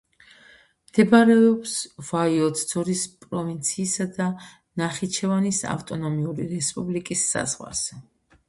მდებარეობს ვაიოცძორის პროვინციისა და ნახიჩევანის ავტონომიური რესპუბლიკის საზღვარზე.